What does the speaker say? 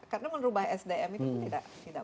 karena menurut saya sdm itu tidak mudah